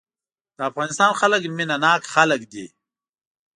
د افغانستان خلک مينه ناک خلک دي.